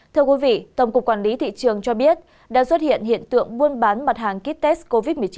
thưa quý vị tổng cục quản lý thị trường cho biết đã xuất hiện hiện tượng buôn bán mặt hàng kites covid một mươi chín